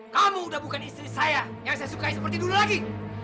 kamu udah bukan istri saya yang saya sukai seperti dulu lagi